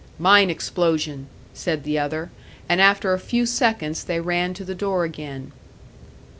"Mine explosion," said the other; and after a few seconds they ran to the door again.